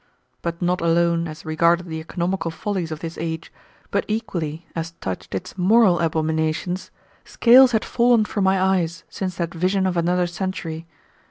But not alone as regarded the economical follies of this age, but equally as touched its moral abominations, scales had fallen from my eyes since that vision of another century.